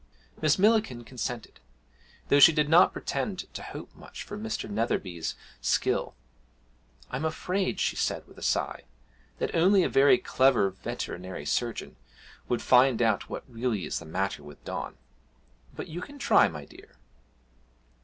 Miss Millikin consented, though she did not pretend to hope much from Mr. Netherby's skill. 'I'm afraid,' she said, with a sigh, 'that only a very clever veterinary surgeon would find out what really is the matter with Don. But you can try, my dear.'